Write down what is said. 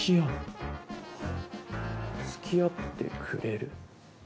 「付き合ってくれる」。